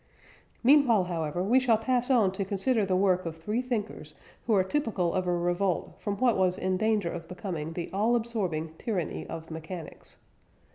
Meanwhile, however, we shall pass on to consider the work of three thinkers who are typical of a revolt from what was in danger of becoming the all absorbing tyranny of mechanics.